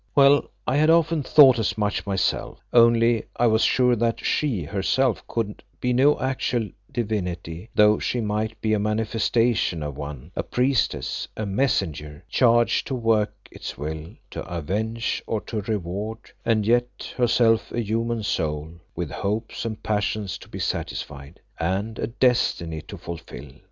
Well, I had often thought as much myself. Only I was sure that She herself could be no actual divinity, though she might be a manifestation of one, a priestess, a messenger, charged to work its will, to avenge or to reward, and yet herself a human soul, with hopes and passions to be satisfied, and a destiny to fulfil.